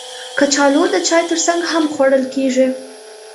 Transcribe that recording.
کچالو د چای ترڅنګ هم خوړل کېږي